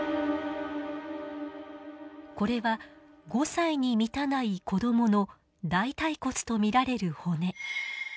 これは５歳に満たない子どもの大腿骨と見られる骨。